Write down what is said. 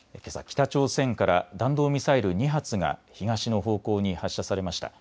北朝鮮から弾道ミサイル２発が東の方向に発射されました。